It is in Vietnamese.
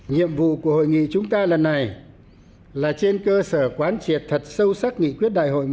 nhiệm vụ của hội nghị chúng ta lần này là trên cơ sở quán triệt thật sâu sắc nghị quyết đại hội